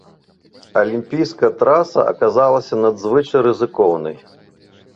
Алімпійская траса аказалася надзвычай рызыкоўнай.